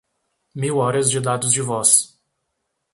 mil horas de dados de voz